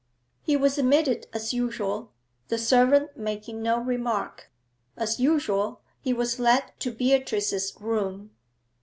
He was admitted as usual, the servant making no remark. As usual, he was led to Beatrice's room.